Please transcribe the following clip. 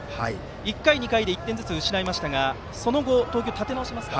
１回、２回で１点ずつ失いましたがその後、投球を立て直しました。